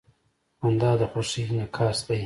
• خندا د خوښۍ انعکاس دی.